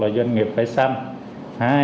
một doanh nghiệp phải xanh